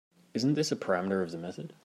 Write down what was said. Isn’t this a parameter of the method?